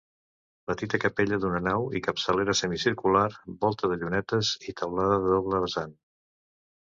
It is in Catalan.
Petita capella d'una nau i capçalera semicircular, volta de llunetes i teulada de doble vessat.